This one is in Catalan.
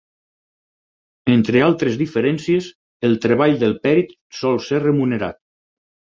Entre altres diferències, el treball del pèrit sol ser remunerat.